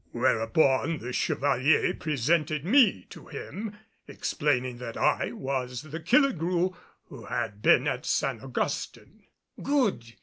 Whereupon the Chevalier presented me to him, explaining that I was the Killigrew who had been at San Augustin. "Good!"